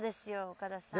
岡田さん。